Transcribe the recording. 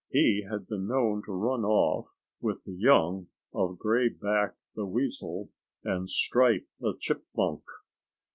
He had been known to run off with the young of Gray Back the Weasel and Stripe the Chipmunk.